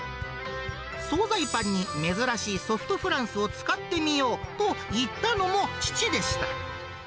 総菜パンに珍しいソフトフランスを使ってみようと言ったのも父でした。